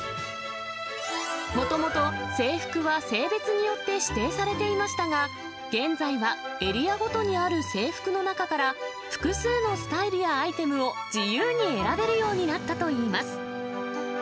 もともと制服は性別によって指定されていましたが、現在はエリアごとにある制服の中から、複数のスタイルやアイテムを自由に選べるようになったといいます。